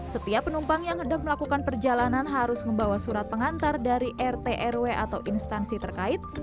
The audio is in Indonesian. setiap penumpang yang hendak melakukan perjalanan harus membawa surat pengantar dari rt rw atau instansi terkait